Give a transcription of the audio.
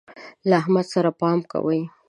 له احمد سره پام کوئ.